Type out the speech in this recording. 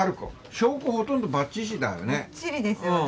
証拠ほとんどバッチシだよね。